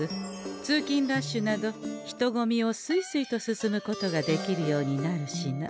通勤ラッシュなど人混みをすいすいと進むことができるようになる品。